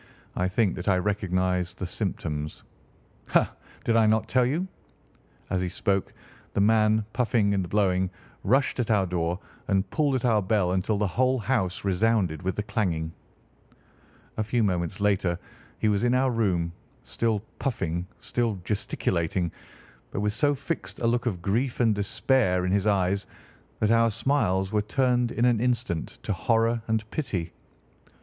I think that I recognise the symptoms. Ha! did I not tell you?" As he spoke, the man, puffing and blowing, rushed at our door and pulled at our bell until the whole house resounded with the clanging. A few moments later he was in our room, still puffing, still gesticulating, but with so fixed a look of grief and despair in his eyes that our smiles were turned in an instant to horror and pity.